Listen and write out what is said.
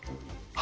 あ！